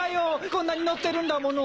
こんなに乗ってるんだもの。